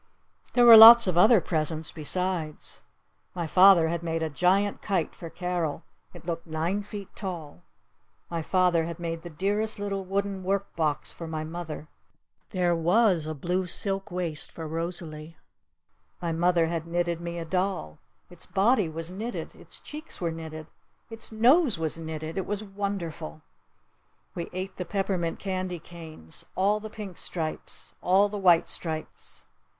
There were lots of other presents besides. My father had made a giant kite for Carol. It looked nine feet tall. My father had made the dearest little wooden work box for my mother. There was a blue silk waist for Rosalee. My mother had knitted me a doll! Its body was knitted! Its cheeks were knitted! Its nose was knitted! It was wonderful! We ate the peppermint candy canes. All the pink stripes. All the white stripes.